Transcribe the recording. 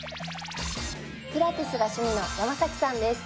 ピラティスが趣味の山さんです。